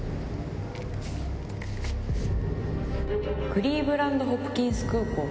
クリーブランド・ホプキンス空港